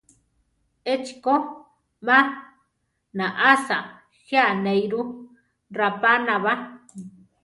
Échi ko, má naʼása, je anéiru: rapaná ba.